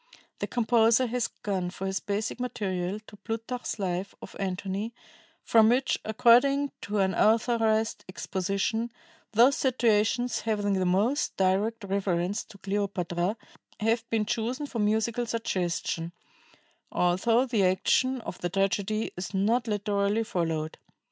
The composer has gone for his basic material to Plutarch's Life of Antony, from which, according to an authorized exposition, "those situations having the most direct reference to Cleopatra have been chosen for musical suggestion, although the action of the tragedy is not literally followed."